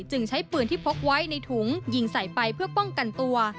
ใช้ปืนที่พกไว้ในถุงยิงใส่ไปเพื่อป้องกันตัว